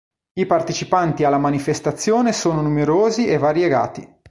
I partecipanti alla manifestazione sono numerosi e variegati.